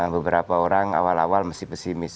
beberapa orang awal awal masih pesimis